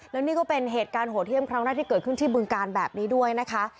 แล้วนี่ก็เป็นเหตุการณ์โหดเยี่ยมครั้งแรกที่เกิดขึ้นที่บึงการแบบนี้ด้วยนะคะ